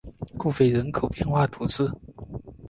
库菲人口变化图示